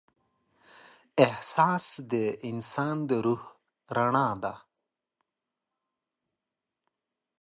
احساس د انسان د روح رڼا ده.